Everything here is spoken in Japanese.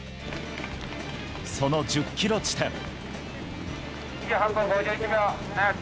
その１０ｋｍ地点。